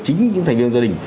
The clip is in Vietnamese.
chính những thành viên gia đình